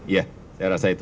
ya saya rasa itu